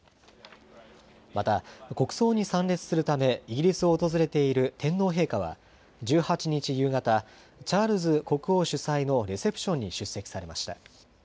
また国葬に参列するため、イギリスを訪れている天皇陛下は、１８日夕方、チャールズ国王主催のレセプションに出席されました。